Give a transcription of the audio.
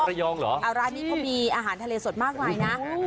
ระยองเหรออ่าร้านนี้เขามีอาหารทะเลสดมากมายนะ